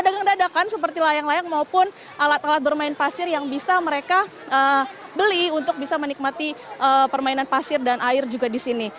pedagang dadakan seperti layang layang maupun alat alat bermain pasir yang bisa mereka beli untuk bisa menikmati permainan pasir dan air juga di sini